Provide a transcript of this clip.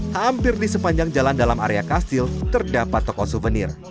hampir di sepanjang jalan dalam area kastil terdapat toko souvenir